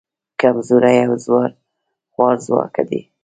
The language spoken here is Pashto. کمزوري او خوارځواکه دي.